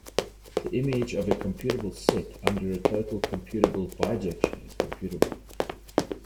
The image of a computable set under a total computable bijection is computable.